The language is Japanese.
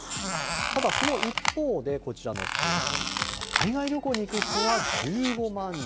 ただその一方でこちらの数字、海外旅行に行く人は１５万人。